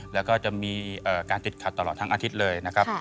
แล้วก็จะมีการติดขัดตลอดทั้งอาทิตย์เลยนะครับ